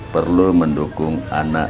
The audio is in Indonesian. perlu mendukung anak